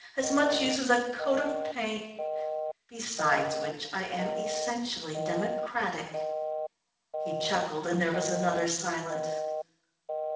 As much use as a coat of paint! Beside which, I am essentially democratic." He chuckled, and there was another silence.